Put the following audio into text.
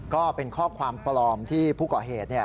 ก็เป็นข้อความปลอมที่ผู้ก่อเหตุ